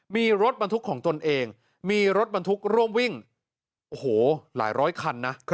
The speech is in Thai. มีรถบรรทุกของตนเองมีรถบรรทุกร่วมวิ่งโอ้โหหลายร้อยคันนะ